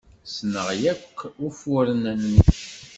Ssneɣ akk ufuren-nnek.